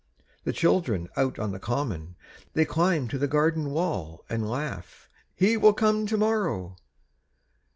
The children out on the common: They climb to the garden wall; And laugh: "He will come to morrow!"